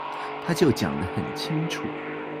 他就講得很清楚